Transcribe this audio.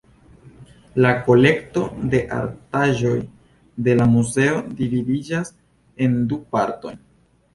La kolekto de artaĵoj de la muzeo dividiĝas en du partojn.